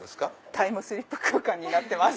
タイムスリップ空間になってます。